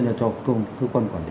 là cho công cơ quan quản lý